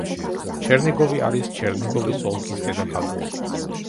ჩერნიგოვი არის ჩერნიგოვის ოლქის დედაქალაქი.